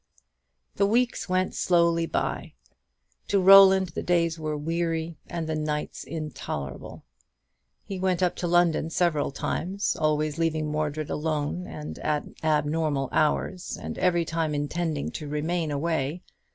The weeks went slowly by. To Roland, the days were weary and the nights intolerable. He went up to London several times, always leaving Mordred alone and at abnormal hours, and every time intending to remain away.